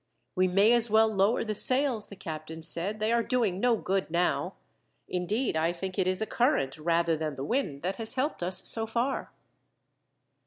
"We may as well lower the sails," the captain said, "they are doing no good now. Indeed I think it is a current rather than the wind that has helped us so far."